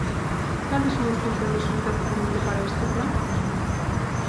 ¿Cales son os compromisos de orzamento para este plan?